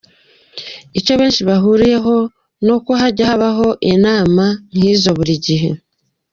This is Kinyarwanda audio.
Icyo benshi bahurijeho , nuko hajya habaho inama nk’izo buri gihe, .